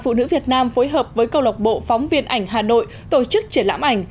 phụ nữ việt nam phối hợp với câu lọc bộ phóng viên ảnh hà nội tổ chức triển lãm ảnh